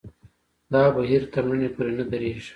دا بهیر تر مړینې پورې نه درېږي.